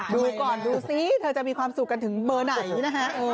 ดูก่อนดูซิเธอจะมีความสุขกันถึงเบอร์ไหนนะฮะ